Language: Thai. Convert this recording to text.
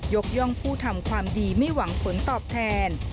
ย่องผู้ทำความดีไม่หวังผลตอบแทน